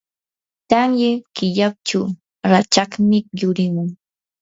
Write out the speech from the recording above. tamya killachaw rachakmi yurimun.